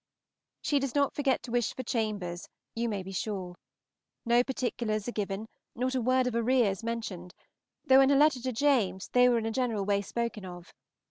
She does not forget to wish for Chambers, you may be sure. No particulars are given, not a word of arrears mentioned, though in her letter to James they were in a general way spoken of.